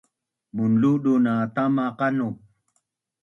Munludun na tama qanup